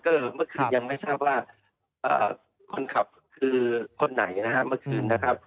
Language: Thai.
ก็เมื่อคืนยังไม่ทราบว่าคนขับคือคนไหนนะครับเมื่อคืนนะครับ